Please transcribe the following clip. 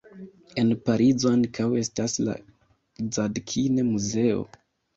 En Parizo ankaŭ estas la Zadkine-Muzeo.